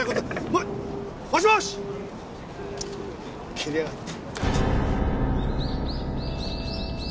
切りやがった。